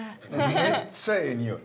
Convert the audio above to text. ◆めっちゃええ匂い。